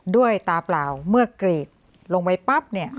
ด้วยตาเปล่าเมื่อกรีดลงไปปั๊บเนี่ย